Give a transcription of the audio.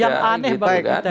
yang aneh bagi kita